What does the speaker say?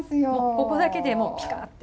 ここだけでもうピカッて。